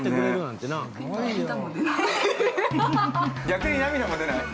逆に涙も出ない。